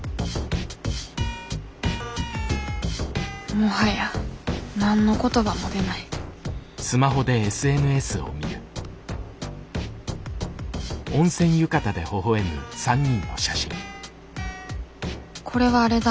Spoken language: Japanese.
もはや何の言葉も出ないこれはあれだ。